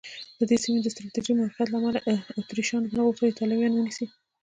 د دې سیمې د سټراټېژیک موقعیت له امله اتریشیانو نه غوښتل ایټالویان ونیسي.